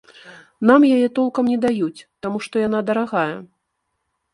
Нам яе толкам не даюць, таму што яна дарагая.